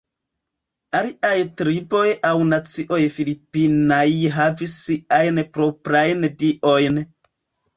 Aliaj triboj aŭ nacioj Filipinaj havis siajn proprajn diojn.